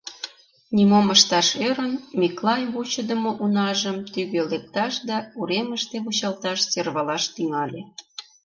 Нимом ышташ ӧрын, Миклай вучыдымо унажым тӱгӧ лекташ да уремыште вучалташ сӧрвалаш тӱҥале.